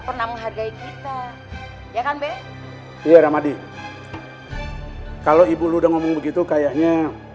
pernah menghargai kita ya kan be ramadi kalau ibu udah ngomong begitu kayaknya